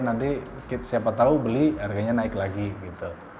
nanti siapa tahu beli harganya naik lagi gitu